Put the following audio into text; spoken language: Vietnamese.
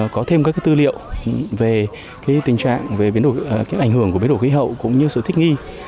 có thêm các tư liệu về tình trạng về ảnh hưởng của biến đổi khí hậu cũng như sự thích nghi